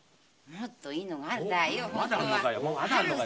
もっといいのがあるだーよ。